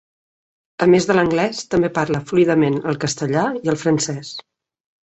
A més de l'anglès, també parla fluidament el castellà i el francès.